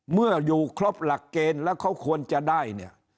เมื่ออยู่ครบหลักเกณฑ์แล้วเขาควรจะได้เนี่ย